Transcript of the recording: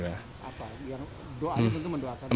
doa itu untuk mendoakan